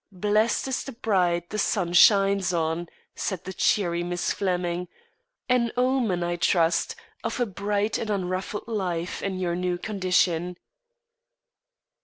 "Blessed is the bride the sun shines on," said the cheery Miss Flemming; "an omen, I trust, of a bright and unruffled life in your new condition."